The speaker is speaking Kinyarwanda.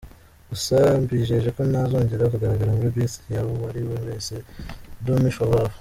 Gusa mbijeje ko ntazongera kugaragara muri beef yuwariwe wese do me for love.